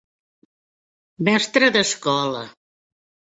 Mestre d'escola.